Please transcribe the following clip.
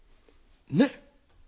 ねっ！